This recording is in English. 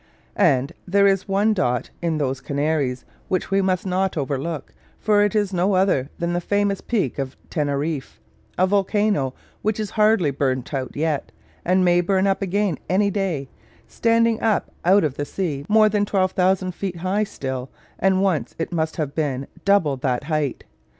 And there is one dot in those Canaries which we must not overlook, for it is no other than the famous Peak of Teneriffe, a volcano which is hardly burnt out yet, and may burn up again any day, standing up out of the sea more than 12,000 feet high still, and once it must have been double that height.